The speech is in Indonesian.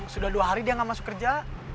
sudah dua hari dia nggak masuk kerja